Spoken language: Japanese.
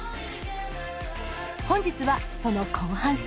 本日はその後半戦。